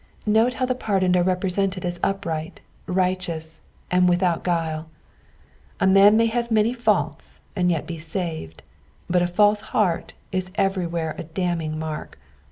Note how the pardoned are represented as upright, rigliteoua, and with out guile ; a man may have many faults and jet be saved, but a false heart is everywhere the damning mark.